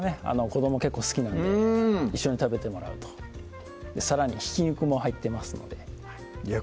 子ども結構好きなんで一緒に食べてもらうとさらにひき肉も入ってますのでいや